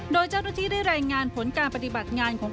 โดยเจ้าหนุ่มที่ได้แรงงานผลการปฏิบัติงาน